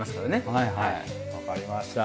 はいはいわかりました。